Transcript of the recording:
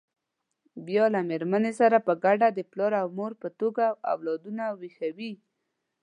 بیا له مېرمنې سره په ګډه د پلار او مور په توګه اولادونه ویښوي.